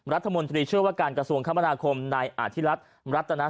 รัฐมนตรีเชื่อว่าการกระทรวงคมนาคมนายอธิรัฐรัตนา